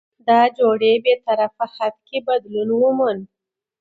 دا جوړه په بې طرفه حد کې بدلون وموند؛